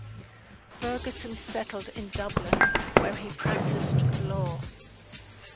Ferguson settled in Dublin, where he practised law.